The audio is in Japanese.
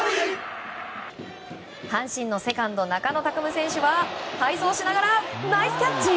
阪神のセカンド中野拓夢選手は背走しながらナイスキャッチ！